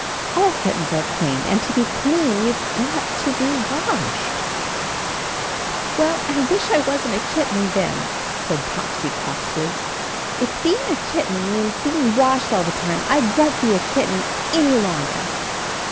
All kittens are clean, and to be clean you've got to be washed." 16 CHARLIE "Well, I wish I wasn't a kitten then," said Topsy crossly. "If being a kitten means be ing washed all the time, I wonH be a kitten any longer!"